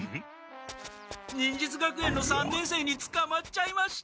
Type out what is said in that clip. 忍術学園の三年生につかまっちゃいました。